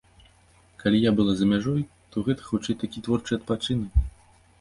Калі я была за мяжой, то гэта, хутчэй, такі творчы адпачынак.